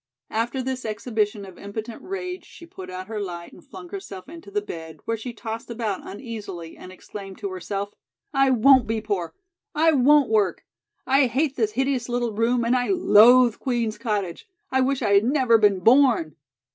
After this exhibition of impotent rage, she put out her light and flung herself into the bed, where she tossed about uneasily and exclaimed to herself: "I won't be poor! I won't work. I hate this hideous little room and I loathe Queen's Cottage. I wish I had never been born."